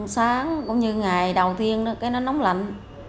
sáng cũng như ngày đầu tiên nó nóng lạnh